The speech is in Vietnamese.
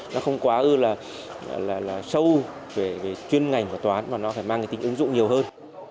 nó không quá sâu về chuyên ngành của toán mà nó phải mang tính ứng dụng nhiều hơn